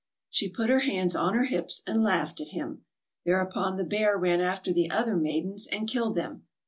She put her hands on her hips and laughed at him. Thereupon the bear ran after the other maidens and killed them.